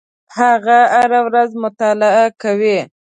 هغه هره ورځ مطالعه کوي.